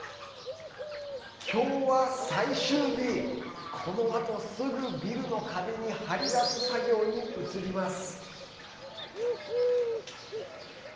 今日は最終日、このあとすぐビルの壁に貼り出す作業に移ります。